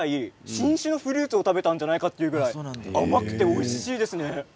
新種のフルーツを食べたんじゃないかと思うぐらい甘くておいしいですね。